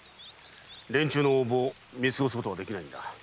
連中の横暴を見過ごすことはできない。